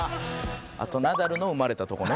あとナダルの生まれたとこね。